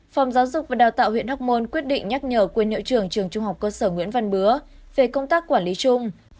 phòng giáo dục và đào tạo huyện hóc môn quyết định nhắc nhở quyền hiệu trường trường trung học cơ sở nguyễn văn bứa về công tác quản lý chung